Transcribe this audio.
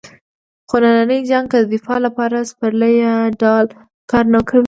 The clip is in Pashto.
خو نننی جنګ کې د دفاع لپاره سپر یا ډال کار نه ورکوي.